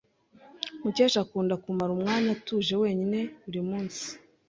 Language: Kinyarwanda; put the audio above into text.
Mukesha akunda kumara umwanya utuje wenyine buri munsi.